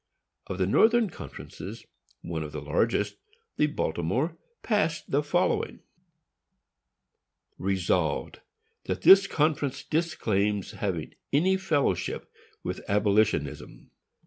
Of the Northern conferences, one of the largest, the Baltimore, passed the following: Resolved, That this conference disclaims having any fellowship with abolitionism.